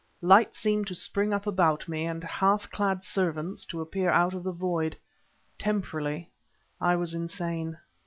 Light seemed to spring up about me, and half clad servants to appear out of the void. Temporarily I was insane.